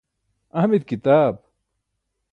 amit kitaab?